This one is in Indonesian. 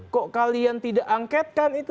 kok kalian tidak angketkan itu